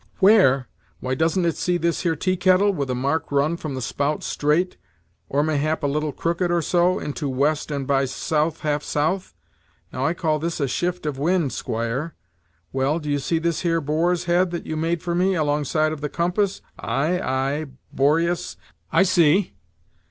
"Where! why doesn't it see this here tea kettle, with a mark run from the spout straight, or mayhap a little crooked or so, into west and by southe half southe? now I call this a shift of wind, squire. Well, do you see this here boar's head that you made for me, alongside of the compass " "Ay, ay Boreas I see.